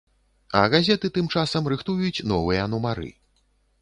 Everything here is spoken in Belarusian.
А газеты тым часам рыхтуюць новыя нумары.